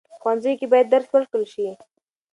په ښوونځیو کې باید درس ورکړل شي.